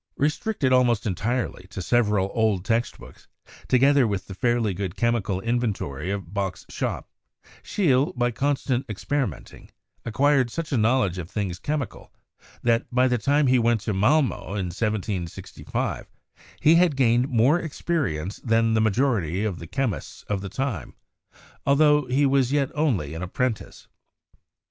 Restricted almost entirely to several old text books, to gether with the fairly good chemical inventory of Bauch's shop, Scheele, by constant experimenting, acquired such a knowledge of things chemical that, by the time he went to Malmo (in 1765) he had gained more experience than the majority of the chemists of the time, altho he was yet only an apprentice.